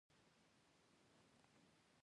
نوي عصر حضور انکار نه کېږي.